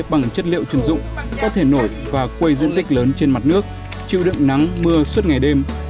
bằng chất liệu chuyên dụng có thể nổi và quây diện tích lớn trên mặt nước chịu đựng nắng mưa suốt ngày đêm